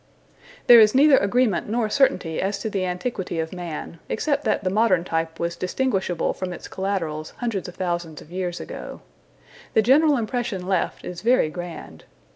There is neither agreement nor certainty as to the antiquity of man, except that the modern type was distinguishable from its collaterals hundreds of thousands of years ago. The general impression left is very grand.